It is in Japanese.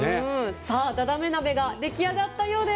ダダメ鍋が出来上がったようです。